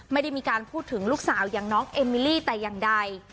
ไม่ได้มีการพูดถึงลูกสาวอย่างน้องเอมิลี่แต่อย่างใด